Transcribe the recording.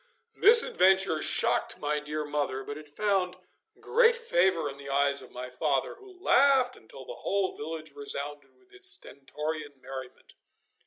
This adventure shocked my dear mother, but it found great favour in the eyes of my father, who laughed until the whole village resounded with his stentorian merriment.